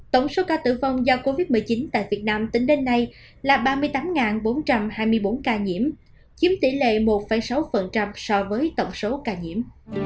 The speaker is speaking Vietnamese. tổng số ca tử vong do covid một mươi chín tại việt nam tính đến nay là ba mươi tám bốn trăm hai mươi bốn ca nhiễm chiếm tỷ lệ một sáu so với tổng số ca nhiễm